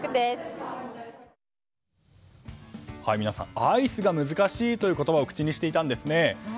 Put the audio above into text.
皆さんアイスが難しいという言葉を口にしていたんですね。